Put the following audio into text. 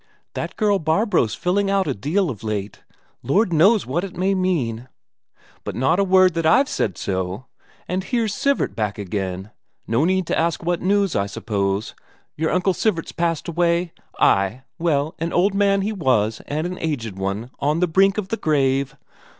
"That girl Barbro's filling out a deal of late Lord knows what it may mean. But not a word that I've said so! And here's Sivert back again? No need to ask what news, I suppose? Your Uncle Sivert's passed away? Ay, well, an old man he was and an aged one, on the brink of the grave.